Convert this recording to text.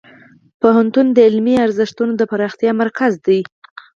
پوهنتون د علمي ارزښتونو د پراختیا مرکز دی.